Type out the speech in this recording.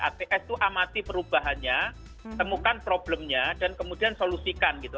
ats itu amati perubahannya temukan problemnya dan kemudian solusikan gitu